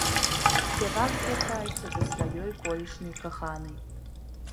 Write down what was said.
Спявак звяртаецца да сваёй колішняй каханай.